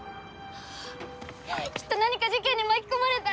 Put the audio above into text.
きっと何か事件に巻き込まれたんです！